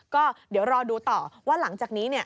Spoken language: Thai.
ก็เดี๋ยวรอดูต่อว่าหลังจากนี้